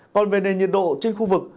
còn về nền nhiệt độ trên khu vực